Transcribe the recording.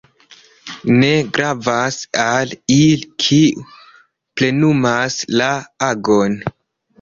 Ne gravas al ili, kiu plenumas la agon.